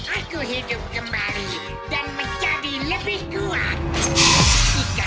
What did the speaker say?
aku hidup kembali dan menjadi lebih kuat